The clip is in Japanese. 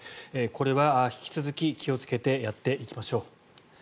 これは引き続き気をつけてやっていきましょう。